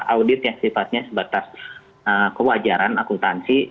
audit yang sifatnya sebatas kewajaran akuntansi